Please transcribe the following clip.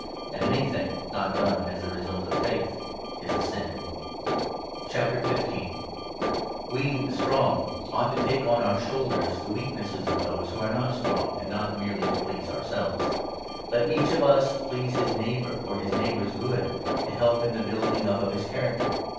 . And anything not done as the result of faith is a sin. We, the strong, ought to take on our own shoulders the i weaknesses of those who are not strong, and not merely to please ourselves. Let each of us please his neighbour 2 for his neighbour's good, to help in the building up of his character.